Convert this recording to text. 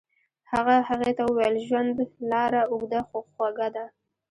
هغه هغې ته وویل ژوند لاره اوږده خو خوږه ده.